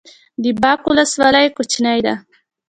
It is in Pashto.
د باک ولسوالۍ کوچنۍ ده